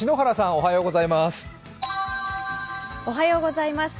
おはようございます。